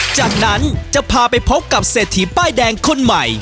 จากนั้นจะพาไปพบกับเศรษฐีป้ายแดงคนใหม่